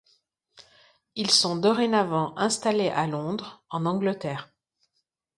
Ils sont dorénavant installés à Londres, en Angleterre.